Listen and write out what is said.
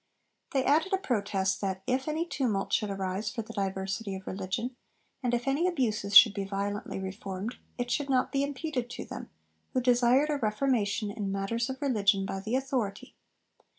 They added a protest that if any tumult should arise 'for the diversity of religion,' and if any abuses should be 'violently reformed,' it should not be imputed to them, who desired a reformation in matters of religion by the Authority.